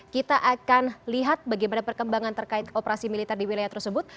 kita akan lihat bagaimana perkembangan terkait operasi militer di wilayah tersebut